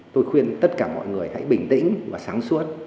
tôi khuyên tất cả mọi người hãy bình tĩnh và sáng suốt